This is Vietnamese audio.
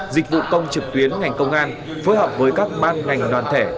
dịch vụ công trực tuyến ngành công an phối hợp với các ban ngành đoàn thể